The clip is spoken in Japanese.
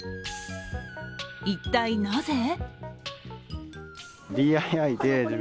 一体なぜ？